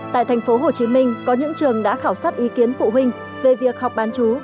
tại thành phố hồ chí minh có những trường đã khảo sát ý kiến phụ huynh về việc học bán chú